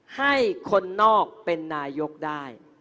ให้คนนอกเป็นนายกได้